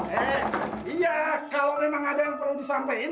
hei iya kalau memang ada yang perlu disampaikan